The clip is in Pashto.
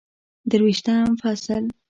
درویشتم فصل